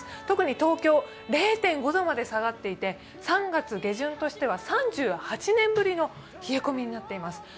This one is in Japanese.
特に東京、０．５度まで下がっていて３月下旬としては３８年ぶりの冷え込みとなっております。